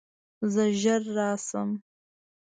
زه ژر راشم.